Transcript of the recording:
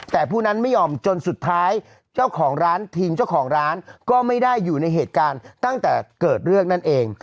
แต่ผู้นั้นไม่ยอมจนสุดท้ายเจ้าของร้านทีมเจ้าของร้านก็ไม่ได้อยู่ในเหตุการณ์ตั้งแต่เกิดเรื่องนั่นเอง